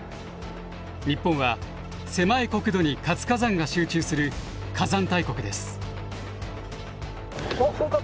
日本は狭い国土に活火山が集中する火山大国です。